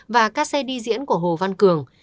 và các xe đi diễn của hồ văn cường